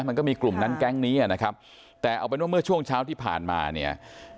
มันก็มีกลุ่มนั้นแก๊งนี้นะครับแต่เอาเป็นว่าเมื่อช่วงเช้าที่ผ่านมาเนี่ย